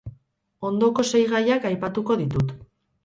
Ondoko sei gaiak aipatuko ditut.